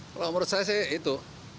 kalau menurut saya itu